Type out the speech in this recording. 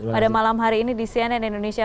pada malam hari ini di cnn indonesia